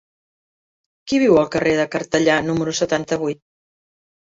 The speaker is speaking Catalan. Qui viu al carrer de Cartellà número setanta-vuit?